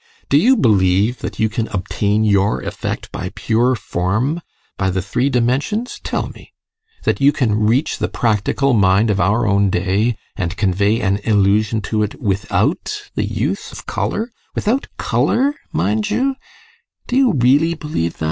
Do you believe that you can obtain your effect by pure form by the three dimensions tell me? That you can reach the practical mind of our own day, and convey an illusion to it, without the use of colour without colour, mind you do you really believe that?